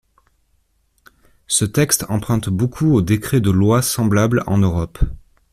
Ce texte emprunte beaucoup aux décrets de lois semblables en Europe.